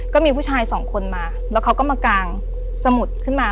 ก็มีผู้ชายสองคนมาแล้วเขาก็มากางสมุดขึ้นมา